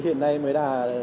hiện nay mới là